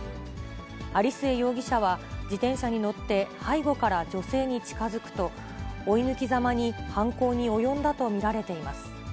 有末容疑者は、自転車に乗って背後から女性に近づくと、追い抜きざまに犯行に及んだと見られています。